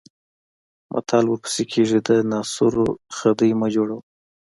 متل ورپسې کېږي د ناصرو خدۍ مه جوړوه.